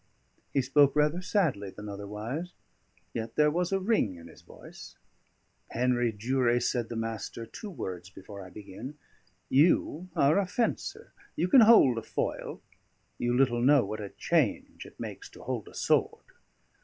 He spoke rather sadly than otherwise, yet there was a ring in his voice. "Henry Durie," said the Master, "two words before I begin. You are a fencer, you can hold a foil; you little know what a change it makes to hold a sword!